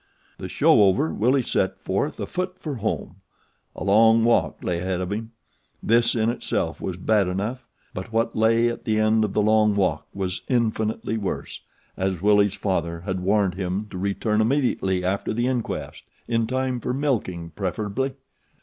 The show over Willie set forth afoot for home. A long walk lay ahead of him. This in itself was bad enough; but what lay at the end of the long walk was infinitely worse, as Willie's father had warned him to return immediately after the inquest, in time for milking, preferably.